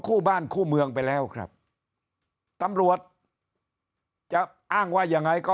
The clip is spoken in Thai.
คู่บ้านคู่เมืองไปแล้วครับตำรวจจะอ้างว่ายังไงก็